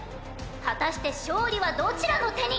果たして勝利はどちらの手に！